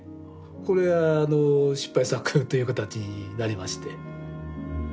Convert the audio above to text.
これは失敗作という形になりまして。